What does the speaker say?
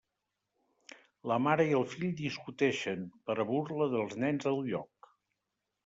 La mare i el fill discuteixen, per a burla dels nens del lloc.